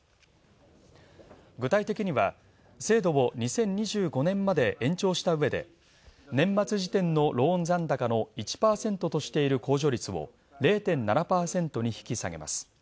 具体的には、制度を２０２５年まで延長したうえで年末時点のローン残高の１％としている控除率を０．７％に引き下げます。